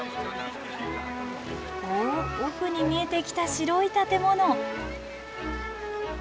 おお奥に見えてきた白い建物。